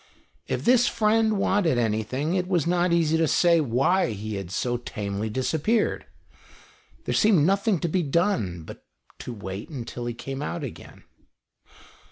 If this friend wanted anything, it was not easy to say why he had so tamely disappeared. There seemed nothing to be done but to wait until he came out again.